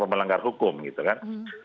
melanggar hukum gitu kan